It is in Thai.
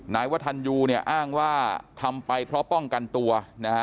นายวัฒนยูเนี่ยอ้างว่าทำไปเพราะป้องกันตัวนะฮะ